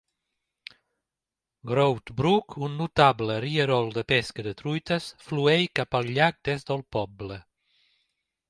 Grout Brook, un notable rierol de pesca de truites, flueix cap al llac des del poble.